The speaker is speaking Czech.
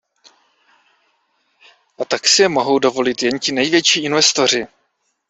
A tak si je mohou dovolit jen ti největší investoři.